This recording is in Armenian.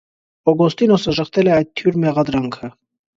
Օգոստինոսը ժխտել է այդ թյուր մեղադրանքը։